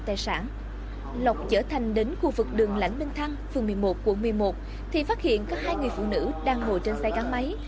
đến khu vực đường lãnh minh thăng phường một mươi một quận một mươi một thì phát hiện có hai người phụ nữ đang ngồi trên xe gắn máy